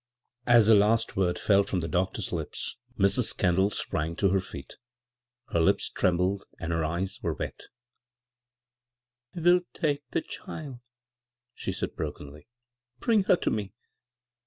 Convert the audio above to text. As the last word fell from the doctor's lips Mrs. Kendall sprang to her feet Her lips trembled, and her eyes were wet " 1 will take the child," she said brokenly. " Bring her to me."